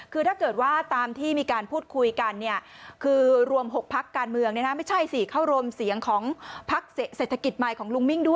คือถ้าเกิดว่าตามที่มีการพูดคุยกัน